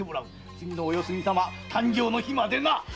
次のお世継ぎ様誕生の日までな。